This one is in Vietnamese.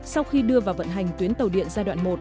sau khi đưa vào vận hành tuyến tàu điện giai đoạn một